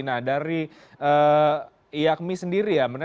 nah dari iakmi sendiri ya